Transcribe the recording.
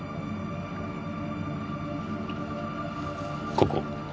ここ。